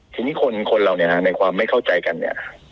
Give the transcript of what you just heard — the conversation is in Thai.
ทีนี้คนเราเนี่ยนะในความไม่เข้าใจกันเนี่ย